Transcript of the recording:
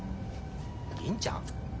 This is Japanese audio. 銀ちゃん？